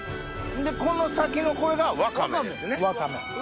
この先のこれがワカメです。え！